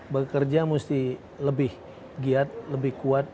bekerja mesti lebih giat lebih kuat